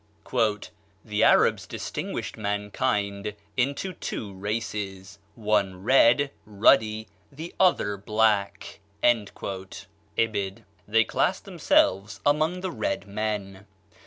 "The Arabs distinguished mankind into two races, one red, ruddy, the other black." (Ibid.) They classed themselves among the red men.